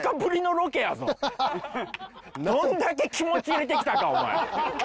どんだけ気持ち入れてきたかお前。